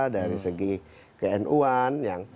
dari segi knu an